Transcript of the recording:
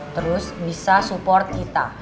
terus bisa support kita